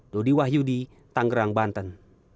dudi wahyudi tanggerang banten